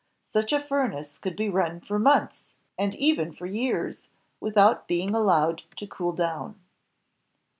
Such a furnace could be run for months, and even for years, without being allowed to cool down.